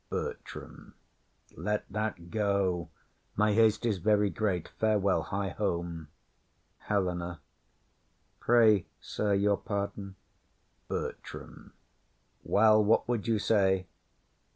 BERTRAM. Let that go. My haste is very great. Farewell; hie home. HELENA. Pray, sir, your pardon. BERTRAM. Well, what would you say?